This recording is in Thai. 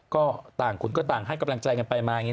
ก็ต่างคนก็ต่างให้กำลังใจกันไปมาอย่างนี้